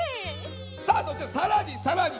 さあそしてさらにさらにですね